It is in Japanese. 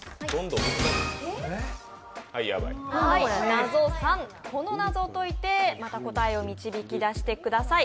謎３、この謎を解いてまた答えを導き出してください。